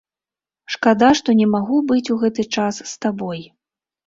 Шкада, што не магу быць у гэты час з табой.